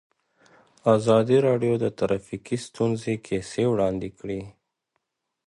ازادي راډیو د ټرافیکي ستونزې کیسې وړاندې کړي.